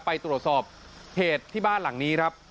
ไปตรวจสอบเหตุที่บ้านหลังนี้ครับ